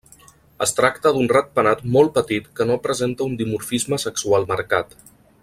Es tracta d'un ratpenat molt petit que no presenta un dimorfisme sexual marcat.